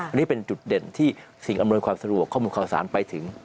อันนี้เป็นจุดเด่นที่สิ่งอำนวยความสะดวกข้อมูลข่าวสารไปถึง